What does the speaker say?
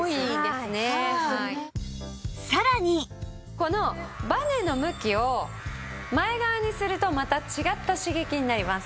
このバネの向きを前側にするとまた違った刺激になります。